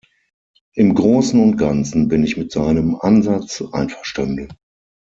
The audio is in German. Im Großen und Ganzen bin ich mit seinem Ansatz einverstanden.